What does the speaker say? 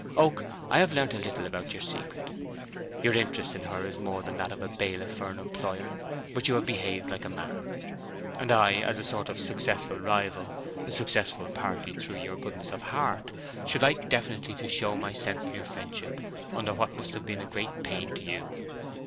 Oak, I have learnt a little about your secret: your interest in her is more than that of bailiff for an employer. But you have behaved like a man, and I, as a sort of successful rival—successful partly through your goodness of heart—should like definitely to show my sense of your friendship under what must have been a great pain to you."